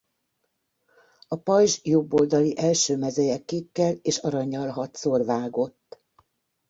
A pajzs jobb oldali első mezeje kékkel és arannyal hatszor vágott.